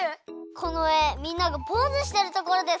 このえみんながポーズしてるところですかね？